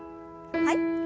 はい。